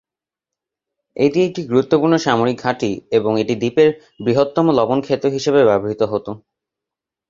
এটি একটি গুরুত্বপূর্ণ সামরিক ঘাঁটি এবং এটি দ্বীপের বৃহত্তম লবণ ক্ষেত্র হিসাবে ব্যবহৃত হত।